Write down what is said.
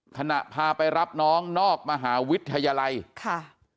พาไปรับน้องนอกมหาวิทยาลัยค่ะ